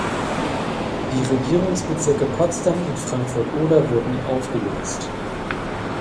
Die Regierungsbezirke Potsdam und Frankfurt (oder) wurden aufgelöst.